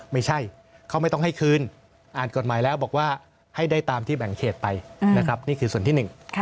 ไม่ใช่เขาไม่ต้องให้คืนอ่านกฎหมายแล้วบอกว่าให้ได้ตามที่แบ่งเขตไปนะครับนี่คือส่วนที่หนึ่ง